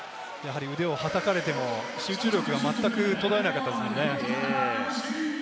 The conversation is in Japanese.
腕をはたかれても、集中力がまったく途絶えなかったですもんね。